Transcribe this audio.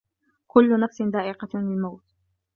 كلّ نفس ذائقة الموت.